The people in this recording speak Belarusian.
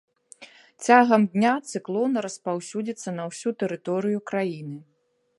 Цягам дня цыклон распаўсюдзіцца на ўсю тэрыторыю краіны.